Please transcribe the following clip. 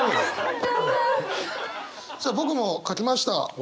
さあ僕も書きました。